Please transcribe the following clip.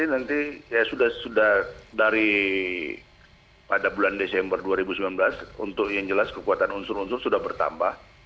nanti ya sudah dari pada bulan desember dua ribu sembilan belas untuk yang jelas kekuatan unsur unsur sudah bertambah